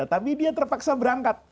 tapi dia terpaksa berangkat